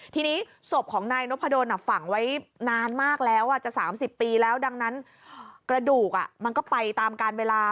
ทีนี้ศพของนายนพดลฝังไว้นานมากแล้วจะ๓๐ปีแล้วดังนั้นกระดูกมันก็ไปตามการเวลา